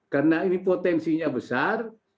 karena ini potensinya besar